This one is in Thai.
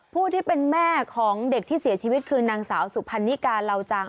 ผู้ที่เป็นแม่ของเด็กที่เสียชีวิตคือนางสาวสุพรรณิกาเหล่าจาง